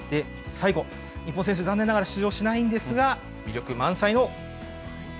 最後、日本選手、残念ながら出場しないんですが、魅力満載の。